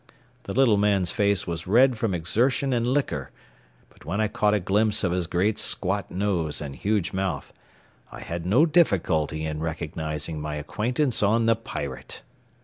The little man's face was red from exertion and liquor, but when I caught a glimpse of his great squat nose and huge mouth I had no difficulty in recognizing my acquaintance on the Pirate.